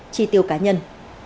tri tiêu cá nhân